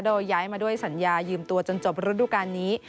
โดยย้ายมาด้วยสัญญายืมตัวจนจบฤดูการนี้